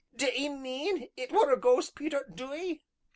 "Do 'ee mean it were a ghost, Peter, do 'ee?"